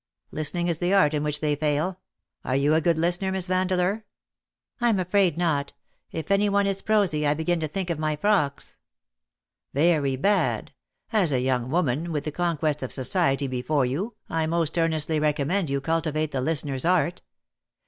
Listening is the art in which they fail. Are you a good listener. Miss Vandeleur ?"" Tm afraid not. If any one is prosy I begin to think of my frocks. ^^ '*Very bad. As a young woman, with the DELIGHT IS IN HER FACE.''' 219 conquest of society before you^ I most earnestly recommend you to cultivate the listener's art.